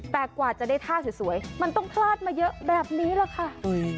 แต่กว่าจะได้ท่าสวยมันต้องพลาดมาเยอะแบบนี้แหละค่ะ